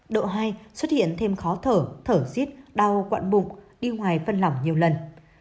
độ hai xuất hiện thêm khó thở thở xít đau quặn bụng đi ngoài phân lỏng nhiều lần